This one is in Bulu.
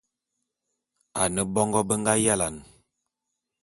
Ane mongô be nga yalane.